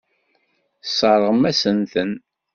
Tesseṛɣem-asent-ten.